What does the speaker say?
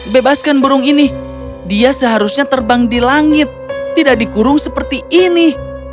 bebaskan burung ini dia seharusnya terbang di langit tidak dikurung seperti ini